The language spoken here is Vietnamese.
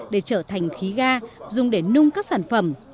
để trở thành khí ga dùng để nung các sản phẩm